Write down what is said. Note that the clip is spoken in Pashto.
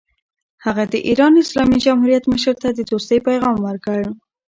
هغه د ایران اسلامي جمهوریت مشر ته د دوستۍ پیغام ورکړ.